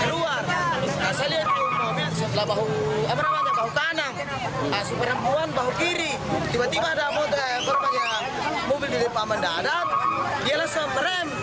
setelah bahu kanan super perempuan bahu kiri tiba tiba ada mobil dari pak amanda adam dia langsung merem